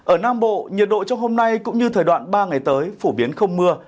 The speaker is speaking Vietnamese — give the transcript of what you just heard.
ở nam bộ nhiệt độ trong hôm nay cũng như thời đoạn ba ngày tới phổ biến không mưa